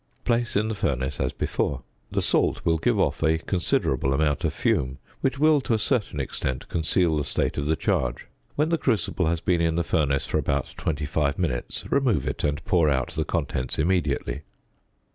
Place in the furnace as before. The salt will give off a considerable amount of fume, which will, to a certain extent, conceal the state of the charge: when the crucible has been in the furnace for about 25 minutes remove it and pour out the contents immediately.